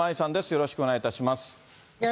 よろしくお願いします。